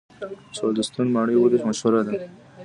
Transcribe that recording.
چهلستون ماڼۍ ولې مشهوره ده؟